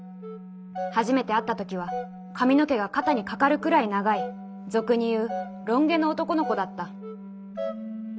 初めて会った時は髪の毛が肩にかかるくらい長い俗にいう“ロン毛”の男の子だった。